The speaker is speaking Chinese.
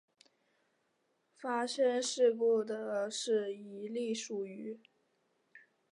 发生事故的是一列属于。